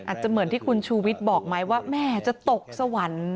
อาจจะเหมือนที่คุณชูวิทย์บอกไหมว่าแม่จะตกสวรรค์